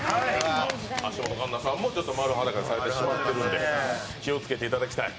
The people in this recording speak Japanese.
橋本環奈さんも丸裸にされてしまっているんで気をつけていただきたい。